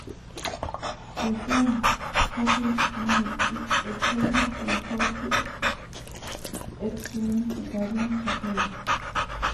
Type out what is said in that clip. The song "Porcelain" is a tribute and call to action regarding suicide.